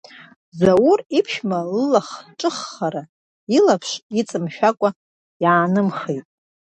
Заур иԥшәма ллахҿыххара илаԥш иҵамшәакәа иаанымхеит.